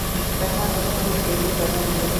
سهار د ښکلو شېبو دوام دی.